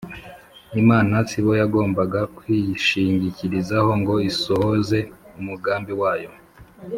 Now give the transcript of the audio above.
. Imana sibo yagombaga kwishingikirizaho ngo isohoze umugambi wayo.